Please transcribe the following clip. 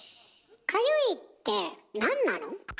かゆいってなんなの？